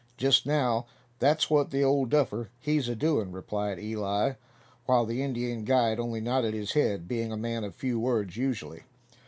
"Just now that's what the ole duffer, he's a doin'," replied Eli; while the Indian guide only nodded his head, being a man of few words usually.